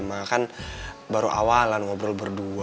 makanya kan baru awalan ngobrol berdua